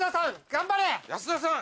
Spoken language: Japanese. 安田さん